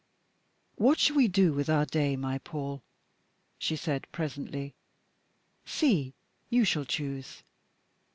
"What shall we do with our day, my Paul?" she said presently. "See, you shall choose.